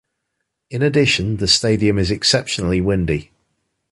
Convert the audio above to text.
In addition, the stadium is exceptionally windy.